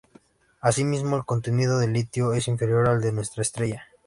Asimismo, el contenido de litio es inferior al de nuestra estrella.